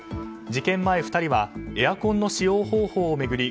事件前、２人はエアコンの使用方法を巡り